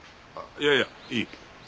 いやいやいい。